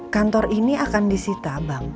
kantor ini akan disita bang